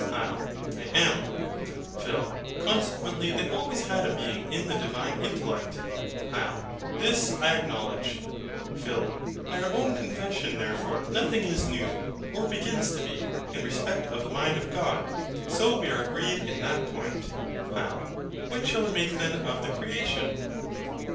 HYL. I am. PHIL. Consequently they always had a being in the Divine intellect. HYL. This I acknowledge. PHIL. By your own confession, therefore, nothing is new, or begins to be, in respect of the mind of God. So we are agreed in that point. HYL. What shall we make then of the creation?